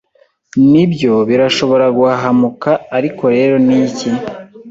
Nibyo, birashobora guhahamuka, ariko rero niki?